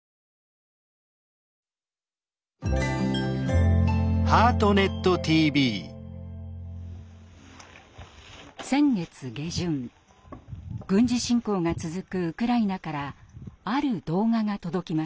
軍事侵攻が続くウクライナからある動画が届きました。